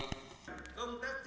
công tác trả nợ